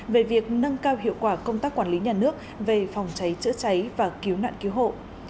về việc nâng cao hiệu quả công tác quản lý nhà nước về phòng cháy chữa cháy và cứu nạn cứu hộ